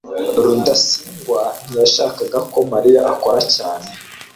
rudasingwa ntiyashakaga ko mariya akora cyane